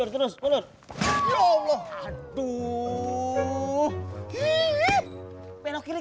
terus terus terus